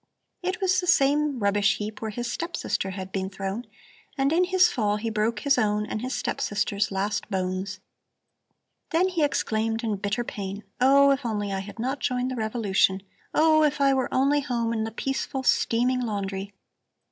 It was the same rubbish heap where his step sister had been thrown, and in his fall he broke his own and his step sister's last bones. Then he exclaimed in bitter pain: 'Oh, if only I had not joined the revolution! Oh, if I were only home in the peaceful, steaming laundry.'